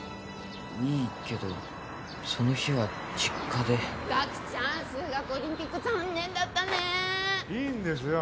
いいけどその日は実家で岳ちゃん数学オリンピック残念だったねいいんですよ